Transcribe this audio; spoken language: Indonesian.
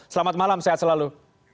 selamat malam sehat selalu